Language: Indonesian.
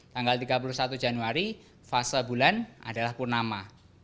tanggal tiga puluh satu januari fase bulan adalah purnama